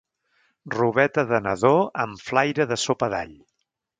Robeta de nadó amb flaire de sopa d'all.